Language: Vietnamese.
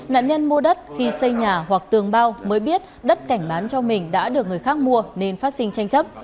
nạn nhân mua đất khi xây nhà hoặc tường bao mới biết đất cảnh bán cho mình đã được người khác mua nên phát sinh tranh chấp